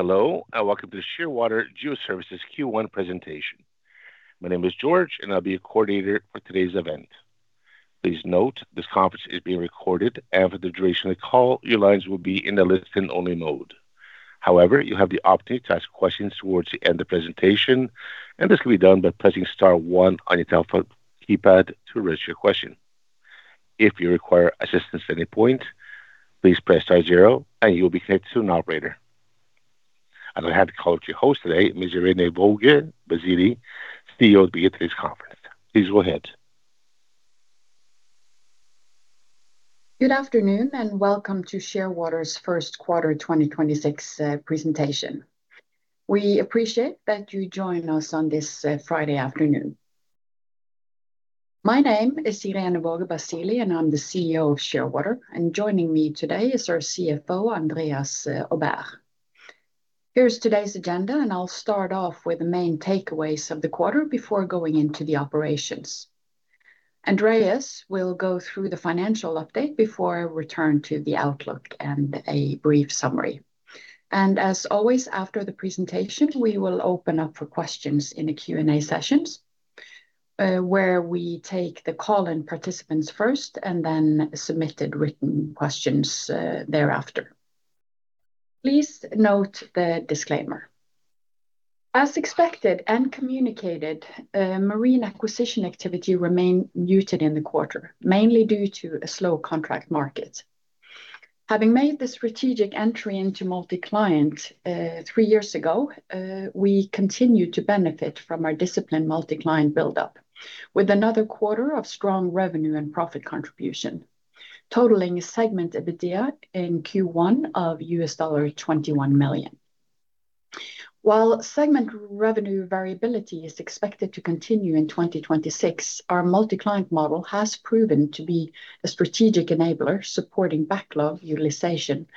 Hello, and welcome to the Shearwater GeoServices Q1 presentation. My name is George, and I'll be your coordinator for today's event. Please note, this conference is being recorded, and for the duration of the call, your lines will be in a listen-only mode. However, you'll have the opportunity to ask questions towards the end of presentation, and this can be done by pressing star one on your telephone keypad to register your question. If you require assistance at any point, please press star zero and you will be connected to an operator. I'd like to hand the call to your host today, Ms. Irene Waage Basili, CEO be at today's conference. Please go ahead. Good afternoon and welcome to Shearwater's first quarter 2026 presentation. We appreciate that you join us on this Friday afternoon. My name is Irene Waage Basili, and I'm the CEO of Shearwater. Joining me today is our CFO, Andreas Aubert. Here's today's agenda, and I'll start off with the main takeaways of the quarter before going into the operations. Andreas will go through the financial update before I return to the outlook and a brief summary. As always, after the presentation, we will open up for questions in the Q&A sessions, where we take the call-in participants first and then submitted written questions thereafter. Please note the disclaimer. As expected and communicated, marine acquisition activity remained muted in the quarter, mainly due to a slow contract market. Having made the strategic entry into multi-client three years ago, we continued to benefit from our disciplined multi-client buildup with another quarter of strong revenue and profit contribution, totaling segment EBITDA in Q1 of $21 million. While segment revenue variability is expected to continue in 2026, our multi-client model has proven to be a strategic enabler, supporting backlog utilization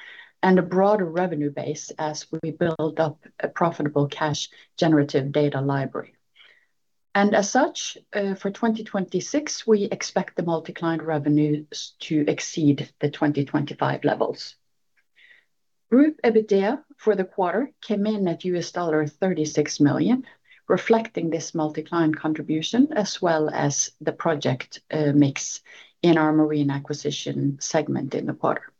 and a broader revenue base as we build up a profitable cash generative data library. As such, for 2026, we expect the multi-client revenues to exceed the 2025 levels. Group EBITDA for the quarter came in at $36 million, reflecting this multi-client contribution, as well as the project mix in our marine acquisition segment in the quarter.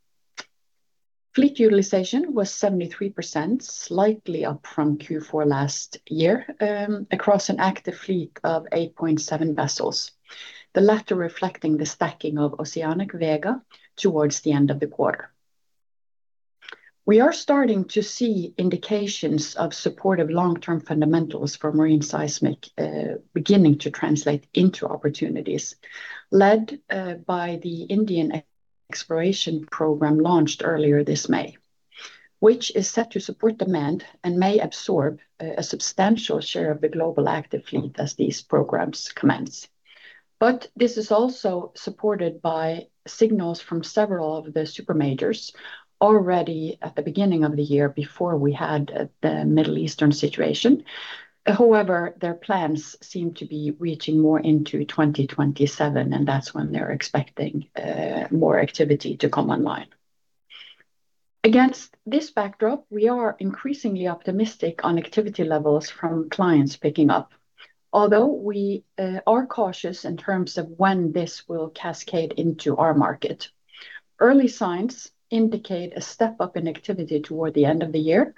Fleet utilization was 73%, slightly up from Q4 last year, across an active fleet of 8.7 vessels, the latter reflecting the stacking of Oceanic Vega towards the end of the quarter. We are starting to see indications of supportive long-term fundamentals for marine seismic beginning to translate into opportunities led by the Indian Exploration Program launched earlier this May, which is set to support demand and may absorb a substantial share of the global active fleet as these programs commence. This is also supported by signals from several of the super majors already at the beginning of the year before we had the Middle Eastern situation. However, their plans seem to be reaching more into 2027, and that's when they're expecting more activity to come online. Against this backdrop, we are increasingly optimistic on activity levels from clients picking up, although we are cautious in terms of when this will cascade into our market. Early signs indicate a step-up in activity toward the end of the year,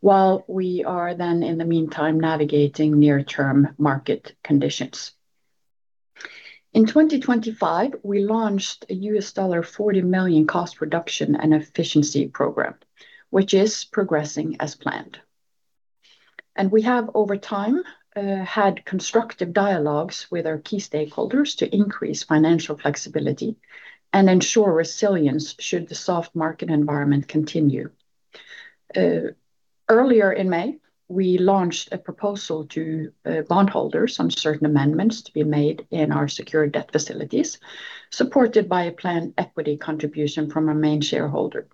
while we are then, in the meantime, navigating near-term market conditions. In 2025, we launched a $40 million cost reduction and efficiency program, which is progressing as planned. We have, over time, had constructive dialogues with our key stakeholders to increase financial flexibility and ensure resilience should the soft market environment continue. Earlier in May, we launched a proposal to bondholders on certain amendments to be made in our secured debt facilities, supported by a planned equity contribution from our main shareholder.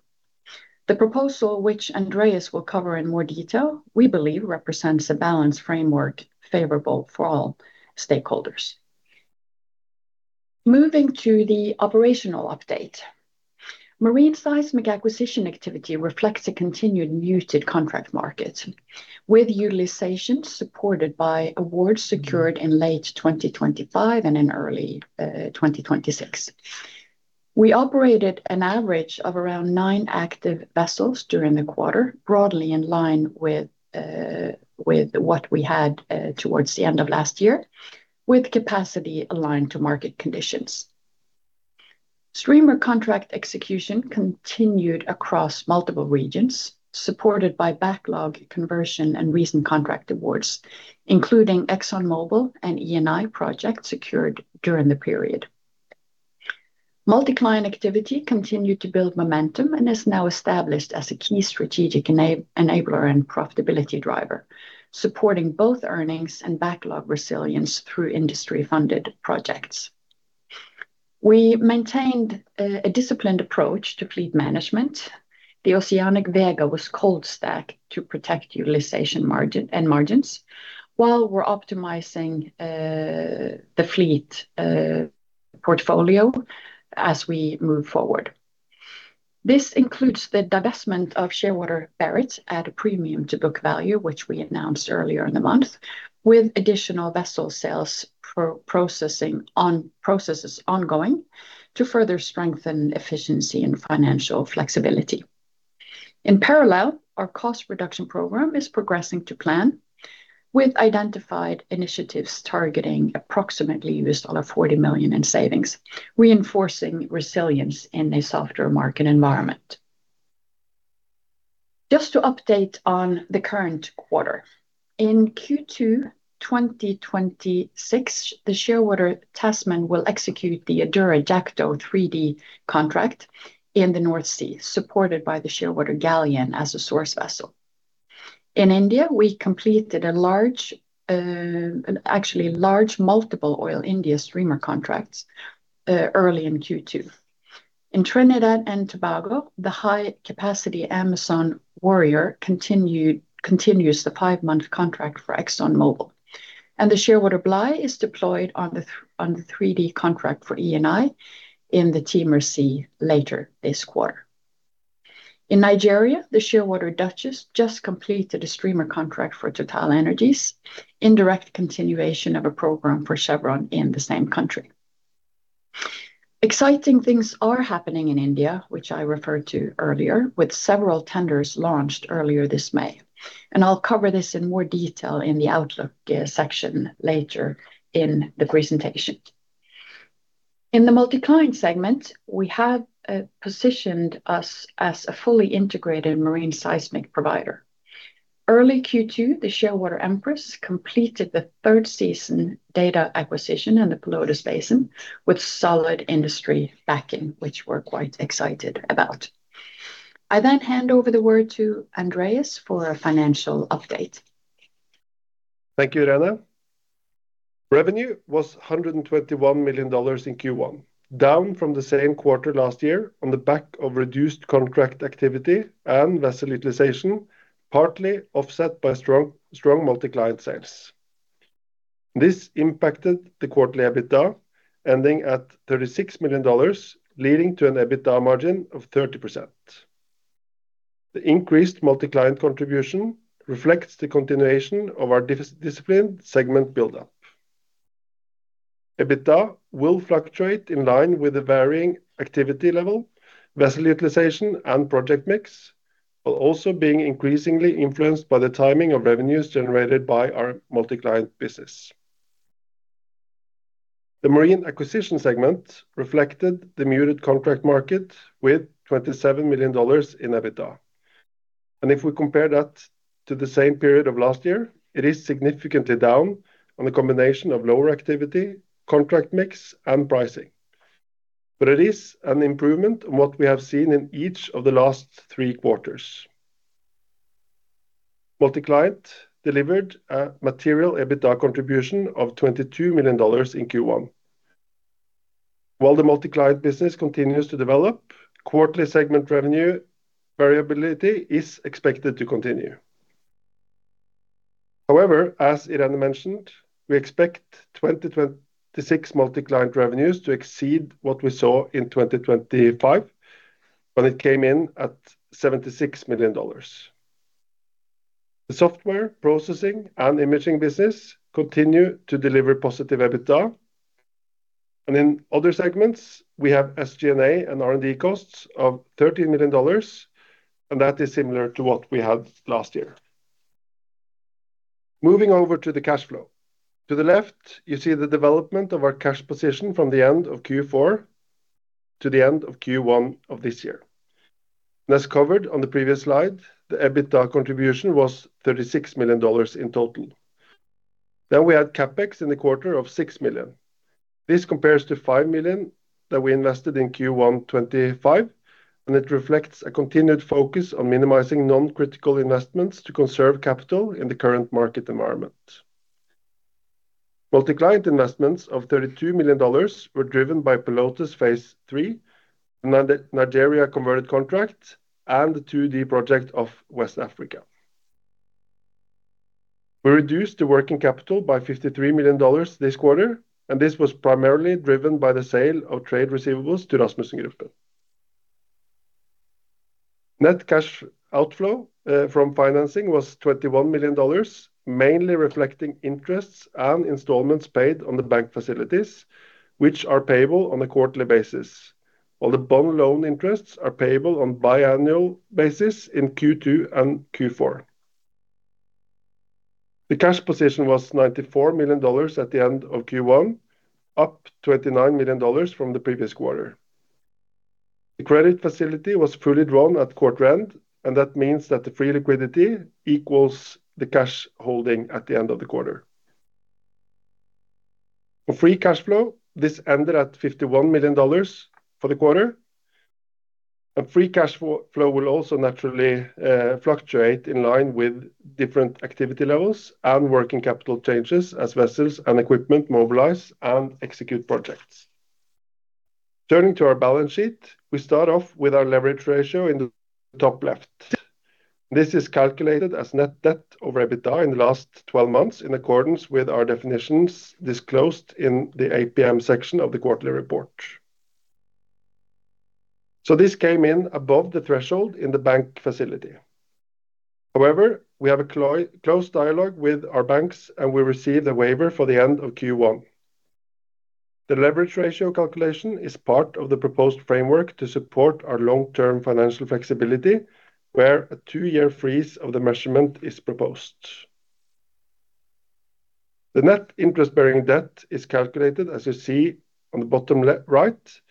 The proposal, which Andreas will cover in more detail, we believe represents a balanced framework favorable for all stakeholders. Moving to the operational update. Marine seismic acquisition activity reflects a continued muted contract market, with utilization supported by awards secured in late 2025 and in early 2026. We operated an average of around nine active vessels during the quarter, broadly in line with what we had towards the end of last year, with capacity aligned to market conditions. Streamer contract execution continued across multiple regions, supported by backlog conversion and recent contract awards, including ExxonMobil and Eni projects secured during the period. Multi-client activity continued to build momentum and is now established as a key strategic enabler and profitability driver, supporting both earnings and backlog resilience through industry-funded projects. We maintained a disciplined approach to fleet management. The Oceanic Vega was cold stacked to protect utilization and margins while we're optimizing the fleet portfolio as we move forward. This includes the divestment of Shearwater Baret at a premium to book value, which we announced earlier in the month, with additional vessel sales processes ongoing to further strengthen efficiency and financial flexibility. In parallel, our cost reduction program is progressing to plan, with identified initiatives targeting approximately $40 million in savings, reinforcing resilience in a softer market environment. Just to update on the current quarter. In Q2 2026, the Shearwater Tasman will execute the Jackdaw 3D contract in the North Sea, supported by the Shearwater Gallien as a source vessel. In India, we completed large multiple Oil India streamer contracts early in Q2. In Trinidad and Tobago, the high-capacity Amazon Warrior continues the five-month contract for ExxonMobil. The Shearwater Bly is deployed on the 3D contract for Eni in the Timor Sea later this quarter. In Nigeria, the Shearwater Duchess just completed a streamer contract for TotalEnergies, in direct continuation of a program for Chevron in the same country. Exciting things are happening in India, which I referred to earlier, with several tenders launched earlier this May. I'll cover this in more detail in the outlook section later in the presentation. In the multi-client segment, we have positioned us as a fully integrated marine seismic provider. Early Q2, the Shearwater Empress completed the third season data acquisition in the Pelotas Basin with solid industry backing, which we're quite excited about. I then hand over the word to Andreas for a financial update. Thank you, Irene. Revenue was $121 million in Q1, down from the same quarter last year on the back of reduced contract activity and vessel utilization, partly offset by strong multi-client sales. This impacted the quarterly EBITDA, ending at $36 million, leading to an EBITDA margin of 30%. The increased multi-client contribution reflects the continuation of our disciplined segment buildup. EBITDA will fluctuate in line with the varying activity level, vessel utilization, and project mix, while also being increasingly influenced by the timing of revenues generated by our multi-client business. The marine acquisition segment reflected the muted contract market with $27 million in EBITDA. If we compare that to the same period of last year, it is significantly down on the combination of lower activity, contract mix, and pricing. It is an improvement on what we have seen in each of the last three quarters. Multi-client delivered a material EBITDA contribution of $22 million in Q1. While the Multi-client business continues to develop, quarterly segment revenue variability is expected to continue. However, as Irene mentioned, we expect 2026 Multi-client revenues to exceed what we saw in 2025, when it came in at $76 million. The software processing and imaging business continue to deliver positive EBITDA. In other segments, we have SG&A and R&D costs of $13 million, and that is similar to what we had last year. Moving over to the cash flow. To the left, you see the development of our cash position from the end of Q4 to the end of Q1 of this year. As covered on the previous slide, the EBITDA contribution was $36 million in total. We had CapEx in the quarter of $6 million. This compares to $5 million that we invested in Q1 2025. It reflects a continued focus on minimizing non-critical investments to conserve capital in the current market environment. Multi-client investments of $32 million were driven by Pelotas Phase 3, the Nigeria converted contract, and the 2D project off West Africa. We reduced the working capital by $53 million this quarter. This was primarily driven by the sale of trade receivables to Rasmussengruppen. Net cash outflow from financing was $21 million, mainly reflecting interests and installments paid on the bank facilities, which are payable on a quarterly basis, while the bond loan interests are payable on a biannual basis in Q2 and Q4. The cash position was $94 million at the end of Q1, up $29 million from the previous quarter. The credit facility was fully drawn at quarter end, that means that the free liquidity equals the cash holding at the end of the quarter. For free cash flow, this ended at $51 million for the quarter. Free cash flow will also naturally fluctuate in line with different activity levels and working capital changes as vessels and equipment mobilize and execute projects. Turning to our balance sheet, we start off with our leverage ratio in the top left. This is calculated as net debt over EBITDA in the last 12 months in accordance with our definitions disclosed in the APM section of the quarterly report. This came in above the threshold in the bank facility. However, we have a close dialogue with our banks, and we received a waiver for the end of Q1. The leverage ratio calculation is part of the proposed framework to support our long-term financial flexibility, where a two-year freeze of the measurement is proposed. The net interest-bearing debt is calculated as you see on the bottom right,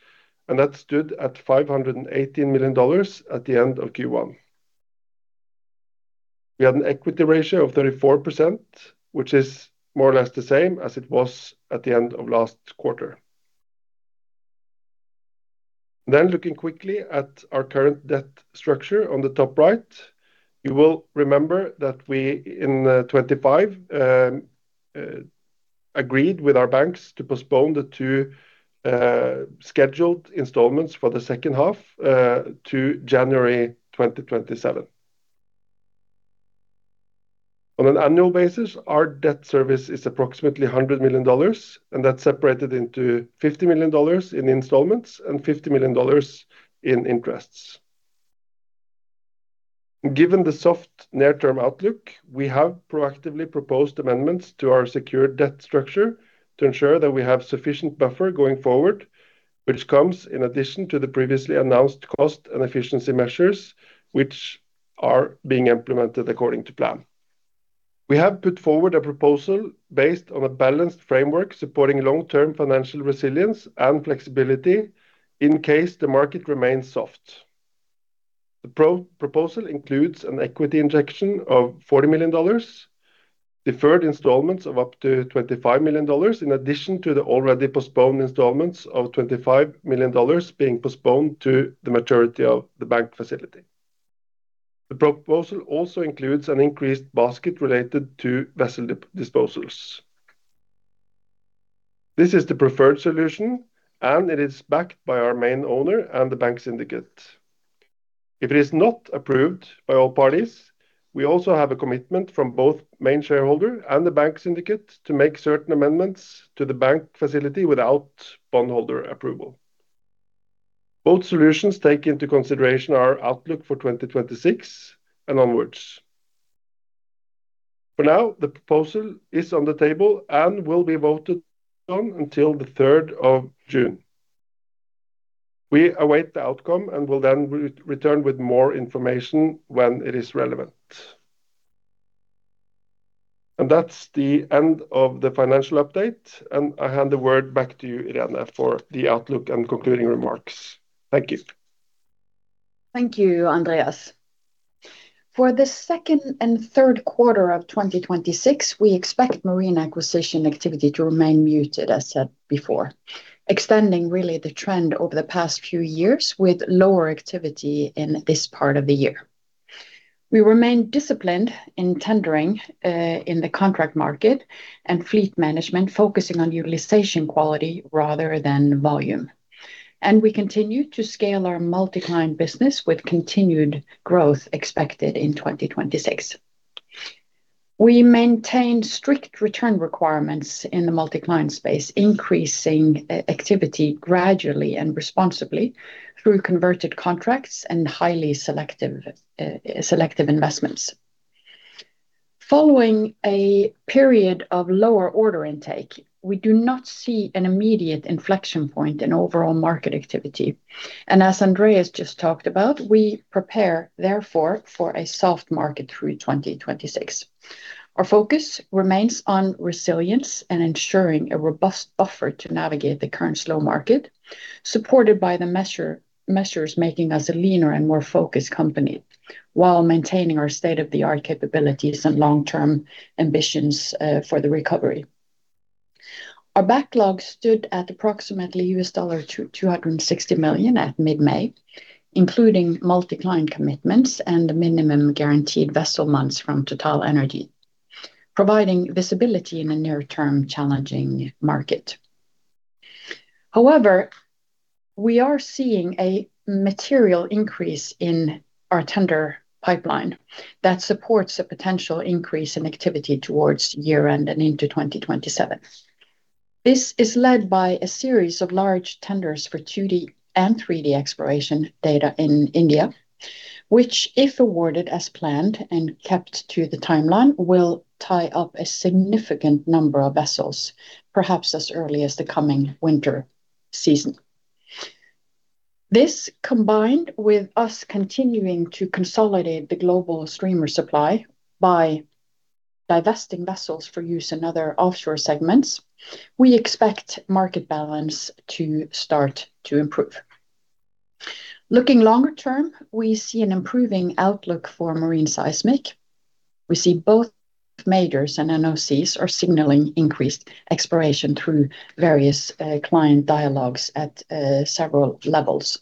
and that stood at $518 million at the end of Q1. We had an equity ratio of 34%, which is more or less the same as it was at the end of last quarter. Looking quickly at our current debt structure on the top right, you will remember that we, in 2025, agreed with our banks to postpone the two scheduled installments for the second half to January 2027. On an annual basis, our debt service is approximately $100 million, and that's separated into $50 million in installments and $50 million in interests. Given the soft near-term outlook, we have proactively proposed amendments to our secured debt structure to ensure that we have sufficient buffer going forward, which comes in addition to the previously announced cost and efficiency measures, which are being implemented according to plan. We have put forward a proposal based on a balanced framework supporting long-term financial resilience and flexibility in case the market remains soft. The proposal includes an equity injection of $40 million, deferred installments of up to $25 million, in addition to the already postponed installments of $25 million being postponed to the maturity of the bank facility. The proposal also includes an increased basket related to vessel disposals. This is the preferred solution, and it is backed by our main owner and the bank syndicate. If it is not approved by all parties, we also have a commitment from both main shareholder and the bank syndicate to make certain amendments to the bank facility without bondholder approval. Both solutions take into consideration our outlook for 2026 and onwards. Now, the proposal is on the table and will be voted on until the 3rd of June. We await the outcome and will then return with more information when it is relevant. That's the end of the financial update, and I hand the word back to you, Irene, for the outlook and concluding remarks. Thank you. Thank you, Andreas. For the second and third quarter of 2026, we expect marine acquisition activity to remain muted, as said before, extending really the trend over the past few years with lower activity in this part of the year. We remain disciplined in tendering in the contract market and fleet management, focusing on utilization quality rather than volume. We continue to scale our multi-client business with continued growth expected in 2026. We maintain strict return requirements in the multi-client space, increasing activity gradually and responsibly through converted contracts and highly selective investments. Following a period of lower order intake, we do not see an immediate inflection point in overall market activity. As Andreas just talked about, we prepare therefore for a soft market through 2026. Our focus remains on resilience and ensuring a robust buffer to navigate the current slow market, supported by the measures making us a leaner and more focused company while maintaining our state-of-the-art capabilities and long-term ambitions for the recovery. Our backlog stood at approximately $260 million at mid-May, including multi-client commitments and the minimum guaranteed vessel months from TotalEnergies, providing visibility in a near-term challenging market. However, we are seeing a material increase in our tender pipeline that supports a potential increase in activity towards year-end and into 2027. This is led by a series of large tenders for 2D and 3D exploration data in India, which, if awarded as planned and kept to the timeline, will tie up a significant number of vessels, perhaps as early as the coming winter season. This, combined with us continuing to consolidate the global streamer supply by divesting vessels for use in other offshore segments, we expect market balance to start to improve. Looking longer term, we see an improving outlook for marine seismic. We see both majors and NOCs are signaling increased exploration through various client dialogues at several levels.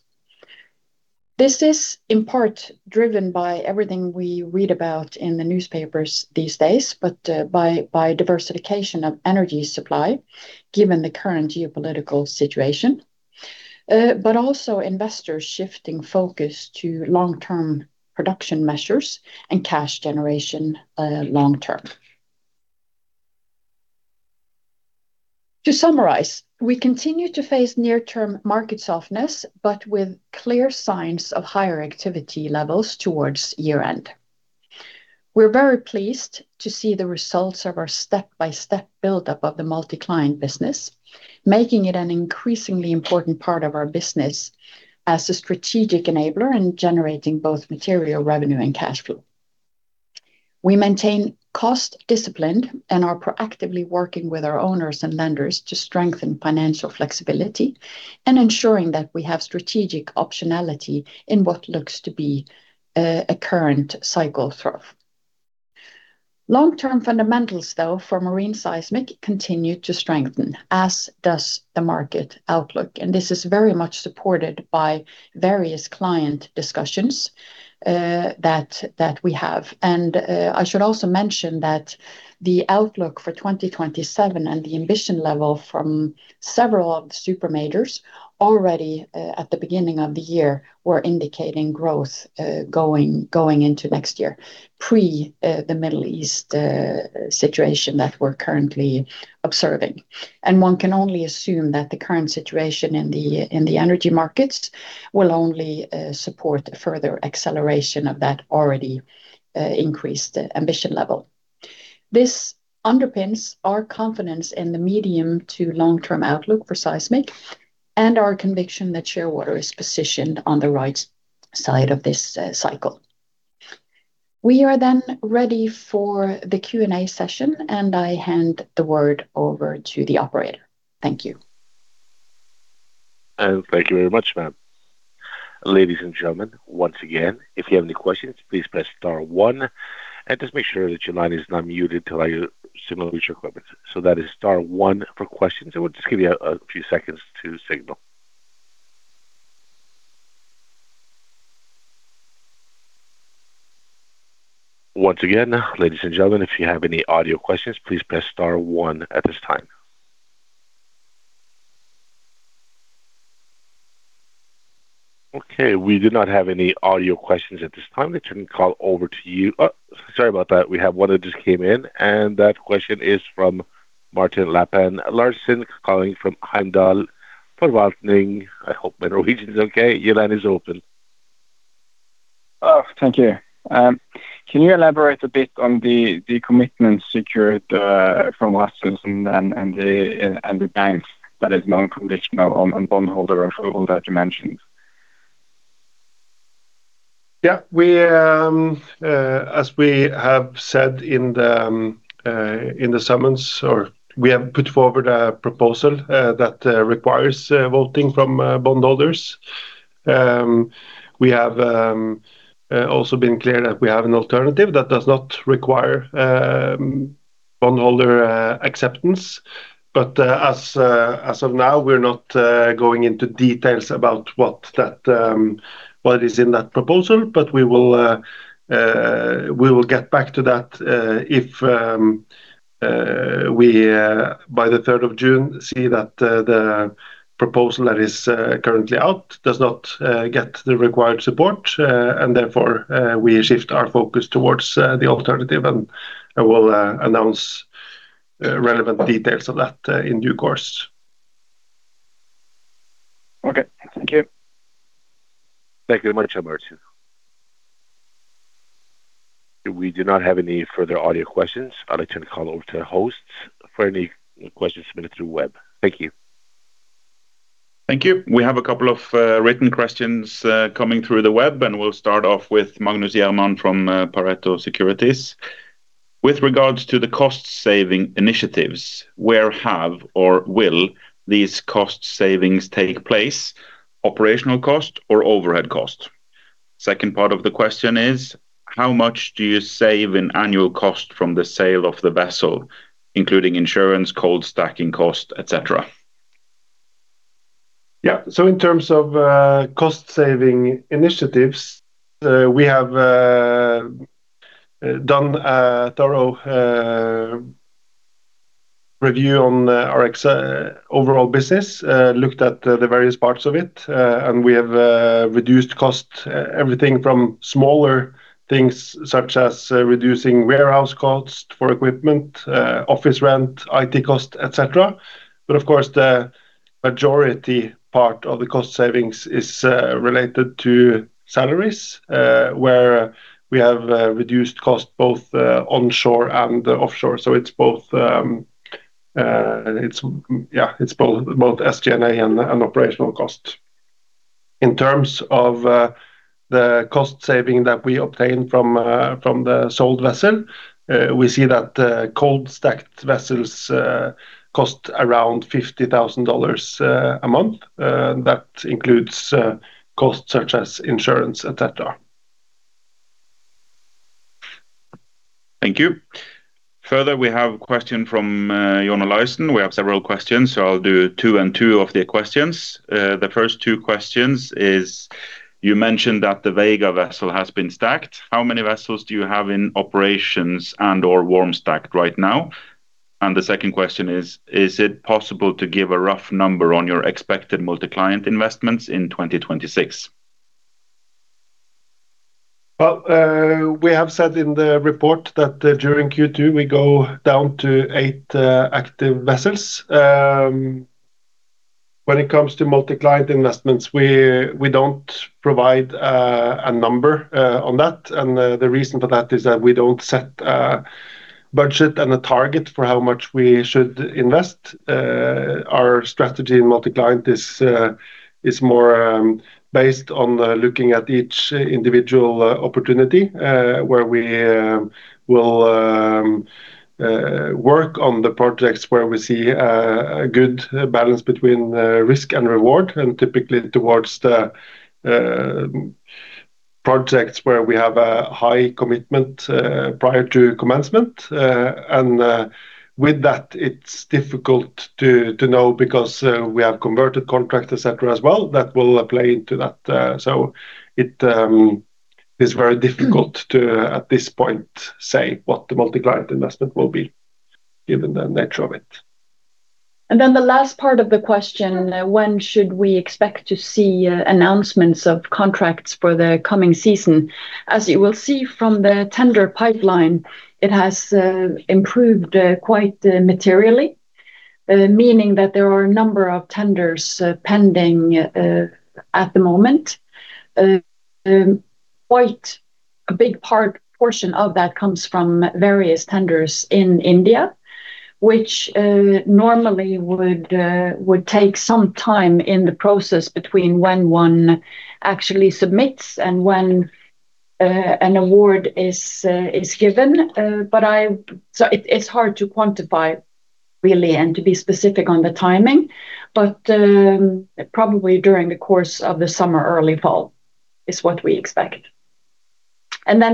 This is in part driven by everything we read about in the newspapers these days, but by diversification of energy supply, given the current geopolitical situation. Also investors shifting focus to long-term production measures and cash generation long term. To summarize, we continue to face near-term market softness, but with clear signs of higher activity levels towards year-end. We're very pleased to see the results of our step-by-step buildup of the multi-client business, making it an increasingly important part of our business as a strategic enabler and generating both material revenue and cash flow. We maintain cost discipline and are proactively working with our owners and lenders to strengthen financial flexibility and ensuring that we have strategic optionality in what looks to be a current cycle trough. Long-term fundamentals, though, for marine seismic continue to strengthen, as does the market outlook, and this is very much supported by various client discussions that we have. I should also mention that the outlook for 2027 and the ambition level from several of the supermajors already at the beginning of the year were indicating growth going into next year, pre the Middle East situation that we're currently observing. One can only assume that the current situation in the energy markets will only support a further acceleration of that already increased ambition level. This underpins our confidence in the medium to long-term outlook for seismic and our conviction that Shearwater is positioned on the right side of this cycle. We are ready for the Q&A session, and I hand the word over to the operator. Thank you. Thank you very much, ma'am. Ladies and gentlemen, once again, if you have any questions, please press star one and just make sure that your line is not muted till I signal with your equipment. That is star one for questions. I will just give you a few seconds to signal. Once again, ladies and gentlemen, if you have any audio questions, please press star one at this time. Okay. We do not have any audio questions at this time. Let me call over to you. Oh, sorry about that. We have one that just came in, and that question is from Martin Lapin Larsen calling from Heimdal Forvaltning. I hope my Norwegian is okay. Your line is open. Oh, thank you. Can you elaborate a bit on the commitment secured from Rasmussen and the banks that is non-conditional on bondholder approval that you mentioned? Yeah. As we have said in the summons, or we have put forward a proposal that requires voting from bondholders. We have also been clear that we have an alternative that does not require bondholder acceptance. as of now, we're not going into details about what is in that proposal. we will get back to that if by the 3rd of June, see that the proposal that is currently out does not get the required support. therefore, we shift our focus towards the alternative, and I will announce relevant details of that in due course. Okay. Thank you. Thank you very much, Martin. We do not have any further audio questions. I'd like to hand the call over to the hosts for any questions submitted through web. Thank you. Thank you. We have a couple of written questions coming through the web, and we'll start off with Magnus Jerman from Pareto Securities. With regards to the cost-saving initiatives, where have or will these cost savings take place, operational cost or overhead cost? Second part of the question is, how much do you save in annual cost from the sale of the vessel, including insurance, cold stacking cost, et cetera? Yeah. In terms of cost-saving initiatives, we have done a thorough review on our overall business, looked at the various parts of it, and we have reduced cost, everything from smaller things such as reducing warehouse cost for equipment, office rent, IT cost, et cetera. Of course, the majority part of the cost savings is related to salaries, where we have reduced cost both onshore and offshore. It's both SG&A and operational cost. In terms of the cost saving that we obtain from the sold vessel, we see that the cold stacked vessels cost around $50,000 a month. That includes costs such as insurance, et cetera. Thank you. Further, we have a question from Jona Leusen. We have several questions, so I will do two and two of the questions. The first two questions is: You mentioned that the Vega vessel has been stacked. How many vessels do you have in operations and/or warm stacked right now? The second question is: Is it possible to give a rough number on your expected multi-client investments in 2026? Well, we have said in the report that during Q2 we go down to eight active vessels. When it comes to multi-client investments, we don't provide a number on that. The reason for that is that we don't set a budget and a target for how much we should invest. Our strategy in multi-client is more based on looking at each individual opportunity, where we will work on the projects where we see a good balance between risk and reward. Typically towards the projects where we have a high commitment prior to commencement. With that, it's difficult to know because we have converted contract, et cetera, as well, that will play into that. It is very difficult to, at this point, say what the multi-client investment will be, given the nature of it. The last part of the question, when should we expect to see announcements of contracts for the coming season? As you will see from the tender pipeline, it has improved quite materially. Meaning that there are a number of tenders pending at the moment. Quite a big portion of that comes from various tenders in India, which normally would take some time in the process between when one actually submits and when an award is given. It's hard to quantify really and to be specific on the timing. Probably during the course of the summer, early fall, is what we expect.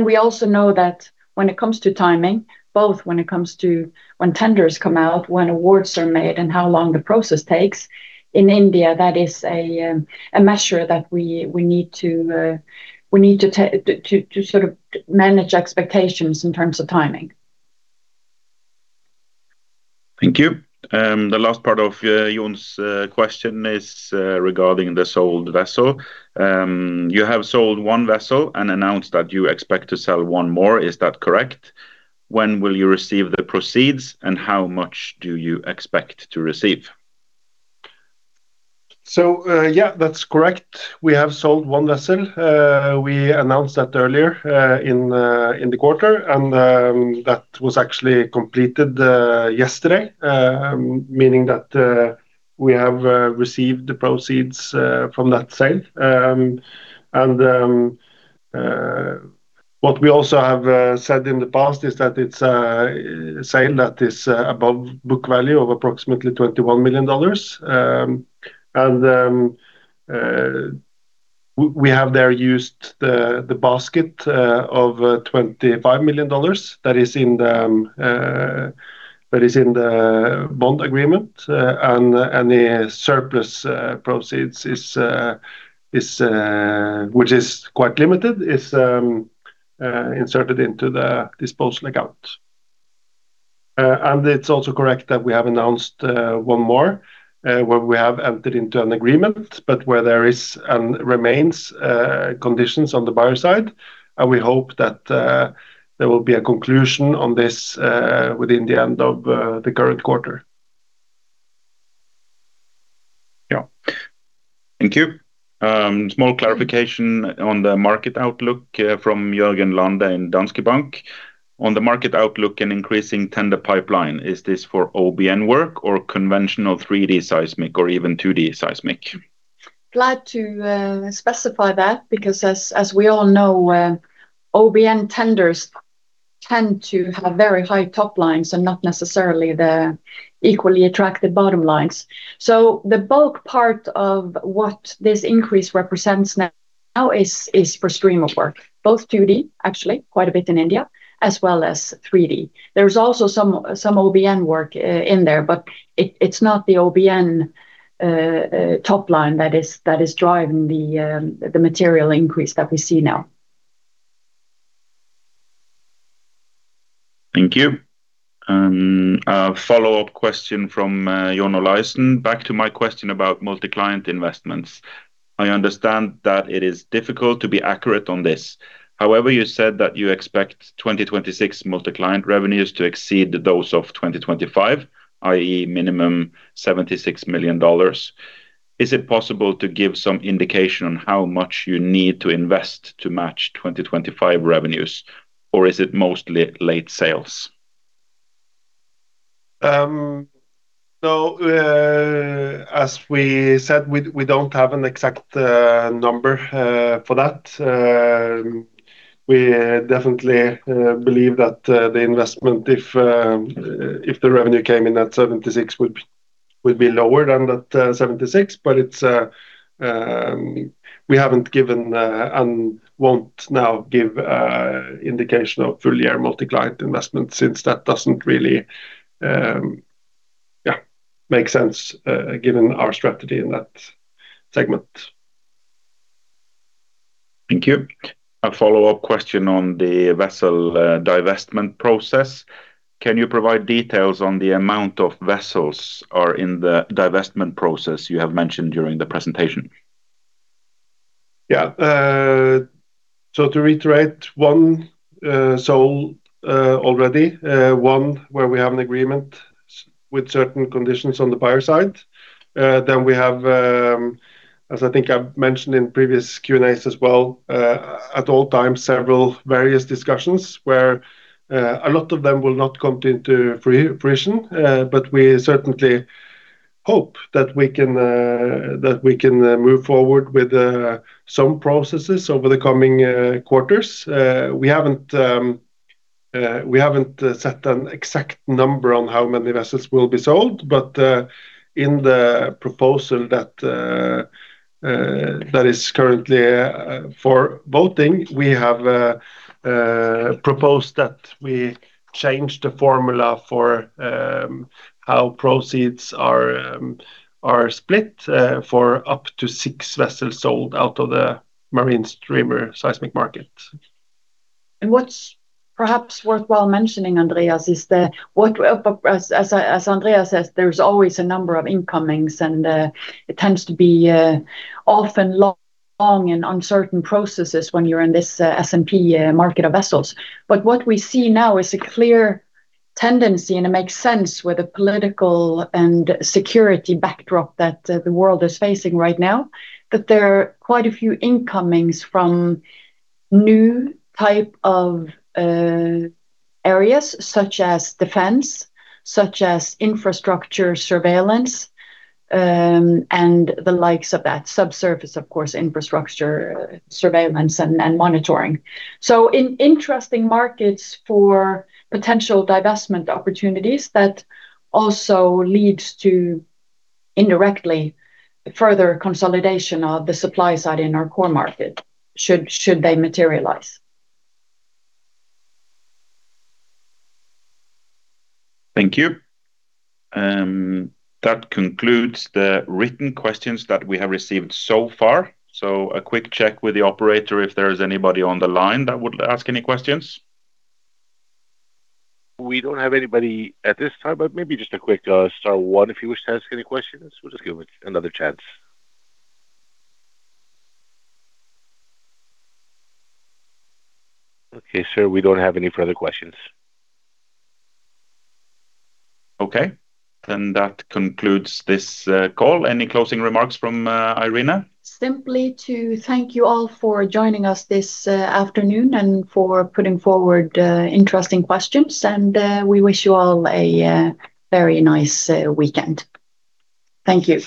we also know that when it comes to timing, both when it comes to when tenders come out, when awards are made, and how long the process takes in India, that is a measure that we need to sort of manage expectations in terms of timing. Thank you. The last part of Jon's question is regarding the sold vessel. You have sold one vessel and announced that you expect to sell one more. Is that correct? When will you receive the proceeds, and how much do you expect to receive? Yeah. That's correct. We have sold one vessel. We announced that earlier in the quarter, and that was actually completed yesterday, meaning that we have received the proceeds from that sale. What we also have said in the past is that it's a sale that is above book value of approximately $21 million. We have there used the basket of $25 million that is in the bond agreement. The surplus proceeds, which is quite limited, is inserted into the disposal account. It's also correct that we have announced one more, where we have entered into an agreement, but where there is and remains conditions on the buyer side. We hope that there will be a conclusion on this within the end of the current quarter. Yeah. Thank you. Small clarification on the market outlook from Jørgen Lande in Danske Bank. On the market outlook and increasing tender pipeline, is this for OBN work or conventional 3D seismic or even 2D seismic? Glad to specify that, because as we all know, OBN tenders tend to have very high top lines and not necessarily the equally attractive bottom lines. The bulk part of what this increase represents now is for stream of work, both 2D, actually, quite a bit in India, as well as 3D. There is also some OBN work in there, but it's not the OBN top line that is driving the material increase that we see now. Thank you. A follow-up question from Jona Leusen. Back to my question about multi-client investments. I understand that it is difficult to be accurate on this. However, you said that you expect 2026 multi-client revenues to exceed those of 2025, i.e. minimum $76 million. Is it possible to give some indication on how much you need to invest to match 2025 revenues, or is it mostly late sales? No. As we said, we don't have an exact number for that. We definitely believe that the investment, if the revenue came in at 76, will be lower than that 76, but we haven't given, and won't now give, indication of full year multi-client investment since that doesn't really make sense given our strategy in that segment. Thank you. A follow-up question on the vessel divestment process. Can you provide details on the amount of vessels are in the divestment process you have mentioned during the presentation? Yeah. To reiterate one sold already, one where we have an agreement with certain conditions on the buyer side. We have, as I think I've mentioned in previous Q&As as well, at all times, several various discussions where a lot of them will not come into fruition. We certainly hope that we can move forward with some processes over the coming quarters. We haven't set an exact number on how many vessels will be sold, but in the proposal that is currently for voting, we have proposed that we change the formula for how proceeds are split for up to six vessels sold out of the marine streamer seismic market. what's perhaps worthwhile mentioning, Andreas, is as Andreas says, there's always a number of incomings, and it tends to be often long and uncertain processes when you're in this S&P market of vessels. What we see now is a clear tendency, and it makes sense with the political and security backdrop that the world is facing right now, that there are quite a few incomings from new type of areas such as defense, such as infrastructure surveillance, and the likes of that. Subsurface, of course, infrastructure surveillance and monitoring. Interesting markets for potential divestment opportunities that also leads to indirectly further consolidation of the supply side in our core market, should they materialize. Thank you. That concludes the written questions that we have received so far. A quick check with the operator if there is anybody on the line that would ask any questions. We don't have anybody at this time, but maybe just a quick star one if you wish to ask any questions. We'll just give it another chance. Okay, sir, we don't have any further questions. Okay, that concludes this call. Any closing remarks from Irene? Simply to thank you all for joining us this afternoon and for putting forward interesting questions, and we wish you all a very nice weekend. Thank you.